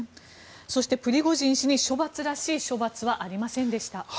そしてプリゴジン氏に処罰らしい処罰はありませんでした。